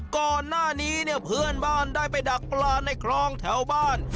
ก่อนหน้านี้เนี่ยเพื่อนบ้านได้ไปดักปลาในคลองแถวบ้าน